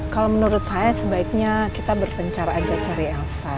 kalau menurut saya sebaiknya kita bertencar aja cari elsa